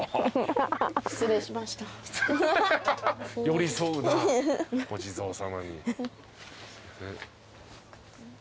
寄り添うなお地蔵さまに。